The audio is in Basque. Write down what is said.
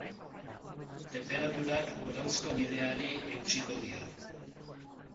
Tenperaturak goranzko bideari eutsiko dio.